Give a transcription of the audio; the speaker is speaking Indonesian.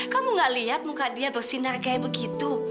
kamu nggak lihat muka dia bersinar kayak begitu